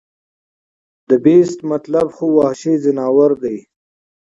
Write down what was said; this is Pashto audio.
د The Beast مطلب خو وحشي ځناور دے